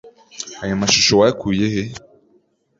Aya mashusho wayakuye he?